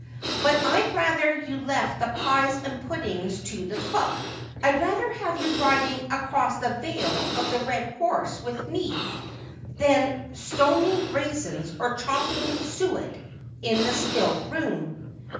But I'd rather you left the pies and puddings to the cook. I'd rather have you riding across the Vale of the Red Horse with me than stoning raisins or chopping suet in the still room.'